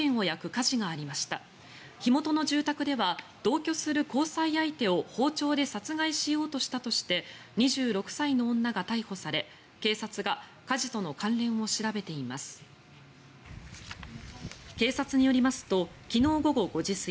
火元の住宅では同居する交際相手を包丁で殺害しようとしたとして２６歳の女が逮捕され警察が火事との関連を調べています。